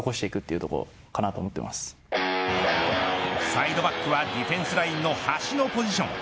サイドバックはディフェンスラインの端のポジション。